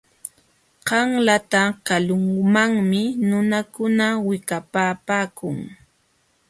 Qanlata kalumanmi nunakuna wikapapaakun.